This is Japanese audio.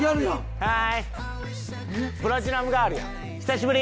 はい！